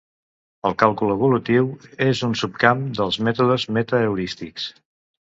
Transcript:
El càlcul evolutiu és un subcamp dels mètodes meta-heurístics.